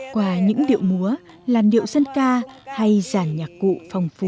qua những điệu múa làn điệu sân ca hay giản nhạc cụ phong phú